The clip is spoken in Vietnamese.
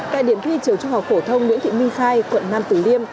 cại điểm thi trường trung học phổ thông nguyễn thị minh sai quận năm tử liêm